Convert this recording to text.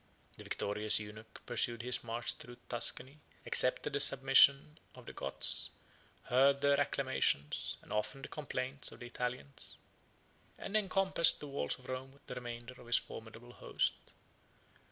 The victorious eunuch pursued his march through Tuscany, accepted the submission of the Goths, heard the acclamations, and often the complaints, of the Italians, and encompassed the walls of Rome with the remainder of his formidable host.